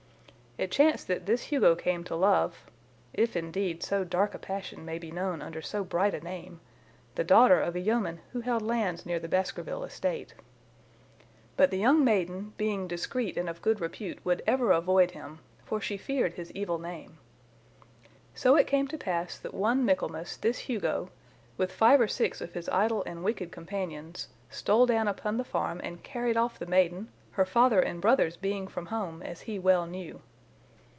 It chanced that this Hugo came to love (if, indeed, so dark a passion may be known under so bright a name) the daughter of a yeoman who held lands near the Baskerville estate. But the young maiden, being discreet and of good repute, would ever avoid him, for she feared his evil name. So it came to pass that one Michaelmas this Hugo, with five or six of his idle and wicked companions, stole down upon the farm and carried off the maiden, her father and brothers being from home, as he well knew.